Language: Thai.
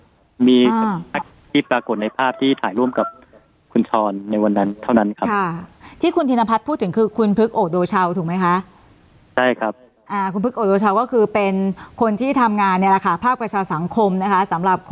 ก็มีที่ปรากฏในภาพที่ถ่ายร่วมกับคุณช้อนในวันนั้นเท่านั้นครับ